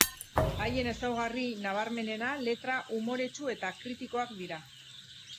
Haien ezaugarri nabarmenena letra umoretsu eta kritikoak dira.